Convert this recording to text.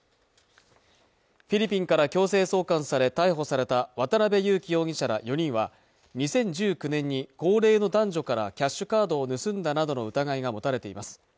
フィリピンから強制送還され逮捕された渡辺優樹容疑者ら４人は２０１９年に高齢の男女からキャッシュカードを盗んだなどの疑いが持たれています